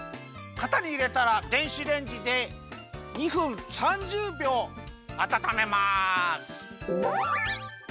かたにいれたら電子レンジで２分３０びょうあたためます。